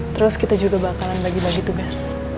terus kita juga bakalan bagi bagi tugas